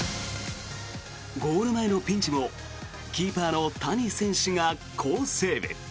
ゴール前のピンチもキーパーの谷選手が好セーブ。